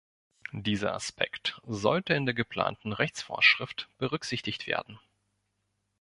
Dieser Aspekt sollte in der geplanten Rechtsvorschrift berücksichtigt werden.